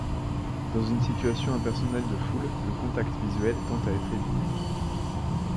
Dans une situation impersonnelle de foule, le contact visuel tend à être évité.